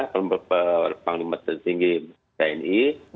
pembeli panglima tertinggi tni